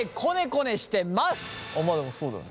まあでもそうだよね。